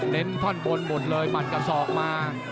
เน้นท่อนบนหมดเลยหมดกับสอกมา